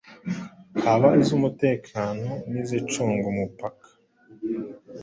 haba iz’umutekano n’izicunga umupaka